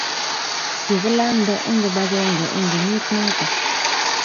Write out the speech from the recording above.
kikilanda eng kibagenge eng kenyit noto